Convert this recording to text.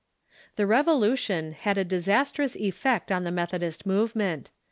The Revolution had a disastrous effect on the Methodist movement.